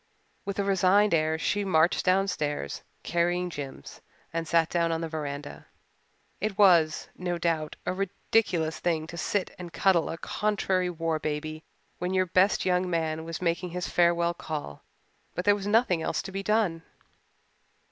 With a resigned air she marched downstairs, carrying Jims, and sat down on the veranda. It was, no doubt, a ridiculous thing to sit and cuddle a contrary war baby when your best young man was making his farewell call, but there was nothing else to be done.